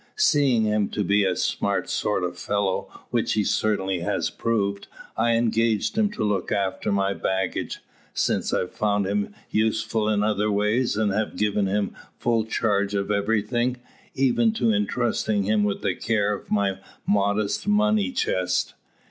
Seeing him to be a smart sort of fellow, which he certainly has proved, I engaged him to look after my baggage. Since, I've found him useful in other ways, and have given him full charge of everything even to entrusting him with the care of my modest money chest."